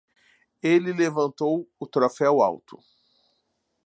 Ele levantou o troféu alto.